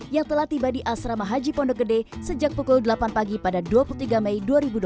yang telah tiba di asrama haji pondok gede sejak pukul delapan pagi pada dua puluh tiga mei dua ribu dua puluh